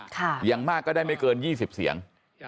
อย่างมากก็ได้ไม่เกิน๒๐เสียง